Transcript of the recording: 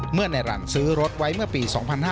เมื่อในหลังซื้อรถไว้เมื่อปี๒๕๕๙